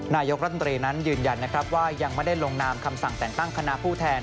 นายกรัฐมนตรีนั้นยืนยันนะครับว่ายังไม่ได้ลงนามคำสั่งแต่งตั้งคณะผู้แทน